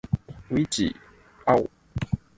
老火湯